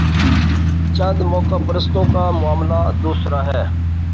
چند موقع پرستوں کا معاملہ دوسرا ہے۔